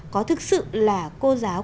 có thực sự là cô giáo